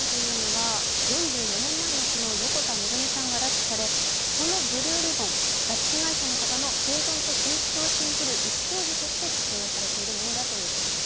横田めぐみさんが拉致され、このブルーリボン、拉致被害者の方の生存と救出を信じる意思表示として着用されているということです。